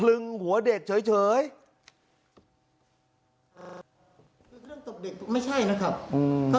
เรื่องตบเด็กไม่ใช่นะครับ